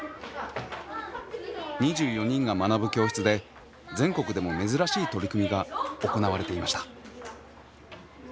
２４人が学ぶ教室で全国でも珍しい取り組みが行われていました。